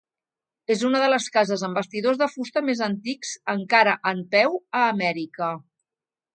És una de les cases amb bastidors de fusta més antics encara en peu a Amèrica.